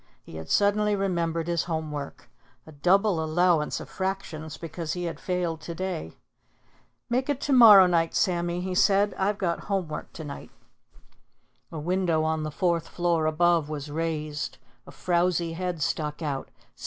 He had suddenly remembered his home work, a double allowance of fractions because he had failed to day. "Make it to morrow night, Sammy," he said. "I've got home work to night." A window on the fourth floor above was raised, a frowsy head stuck out.